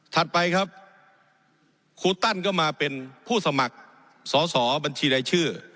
ไปครับครูตันก็มาเป็นผู้สมัครสอสอบัญชีรายชื่อ